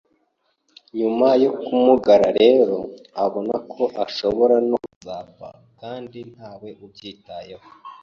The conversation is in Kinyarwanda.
Nyuma yo kumugara rero, abona ko ashobora no kuzapfa kandi ntawe ubyitayeho,